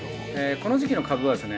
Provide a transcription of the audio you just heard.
この時期のカブはですね